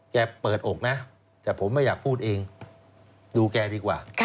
เปิดอกนะแต่ผมไม่อยากพูดเองดูแกดีกว่า